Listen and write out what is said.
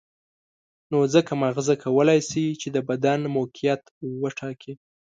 نو ځکه ماغزه کولای شي چې د بدن موقعیت وټاکي.